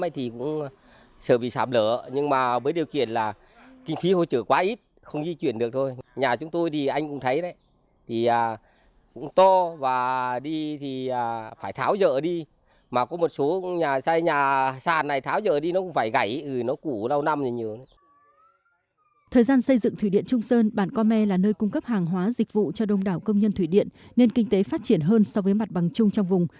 thời gian xây dựng thủy điện trung sơn bản co me là nơi cung cấp hàng hóa dịch vụ cho đông đảo công nhân thủy điện nên kinh tế phát triển hơn so với mặt bằng chung trong vùng